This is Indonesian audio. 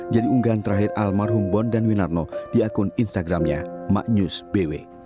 jadi unggahan terakhir almarhum bondan winarno di akun instagramnya maknyus bw